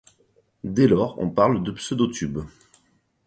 Dès lors on parle de pseudo-tubes.